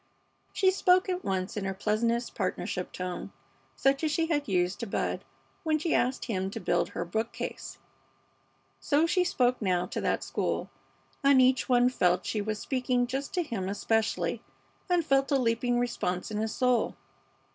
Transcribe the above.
She spoke at once, in her pleasantest partnership tone, such as she had used to Bud when she asked him to help her build her bookcase. So she spoke now to that school, and each one felt she was speaking just to him especially, and felt a leaping response in his soul.